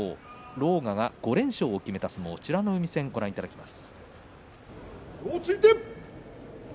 狼雅が５連勝を決めた相撲をご覧いただきます。